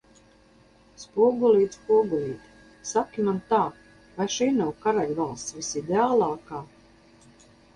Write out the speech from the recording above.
Spogulīt, spogulīt, saki man tā, vai šī nav karaļvalsts visideālākā?